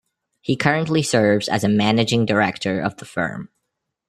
He currently serves as a Managing Director of the firm.